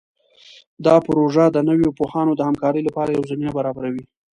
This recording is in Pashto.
دا پروژه د نوو پوهانو د همکارۍ لپاره یوه زمینه برابروي.